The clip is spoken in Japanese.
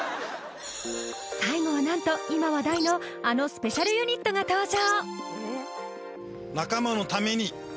最後はなんと今話題のあのスペシャルユニットが登場！